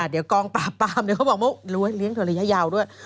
เดี๋ยวกองปราบปรามเดี๋ยวเขาบอกว่าเลี้ยงเธอระยะยาวด้วย